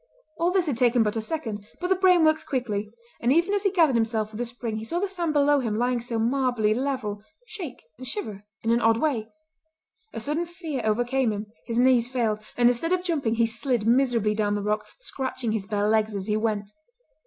All this had taken but a second, but the brain works quickly, and even as he gathered himself for the spring he saw the sand below him lying so marbly level shake and shiver in an odd way. A sudden fear overcame him; his knees failed, and instead of jumping he slid miserably down the rock, scratching his bare legs as he went.